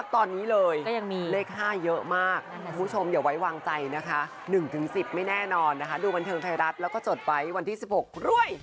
๑ถึง๑๐ไม่แน่นอนนะคะดูบันเทิงไทยรัฐแล้วก็จดไว้วันที่๑๖รวย